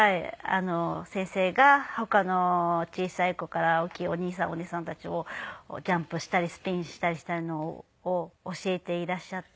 先生が他の小さい子から大きいお兄さんお姉さんたちをジャンプしたりスピンしたりしているのを教えていらっしゃって。